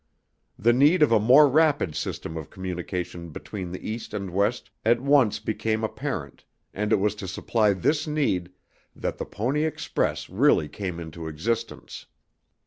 The need of a more rapid system of communication between the East and West at once became apparent and it was to supply this need that the Pony Express really came into existence.